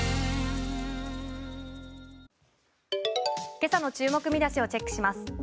今朝の注目見出しをチェックします。